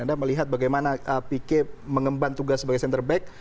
anda melihat bagaimana pique mengemban tugas sebagai center back